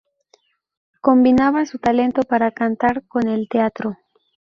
Combinaba su talento para cantar con el teatro.